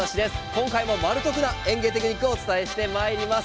今回もマル得な園芸テクニックをお伝えしてまいります。